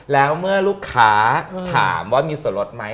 แล้วเมื่อลูกค้าถามว่ามีส่วนลดไหม